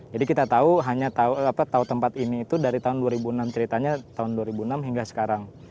jadi kita tahu tempat ini itu dari tahun dua ribu enam ceritanya tahun dua ribu enam hingga sekarang